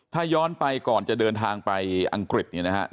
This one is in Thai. ถ้าย้อนไปก่อนจะเดินทางไปอังกฤษเนี่ยนะฮะ